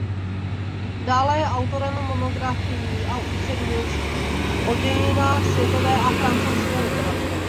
Dále je autorem monografií a učebnic o dějinách světové a francouzské literatury.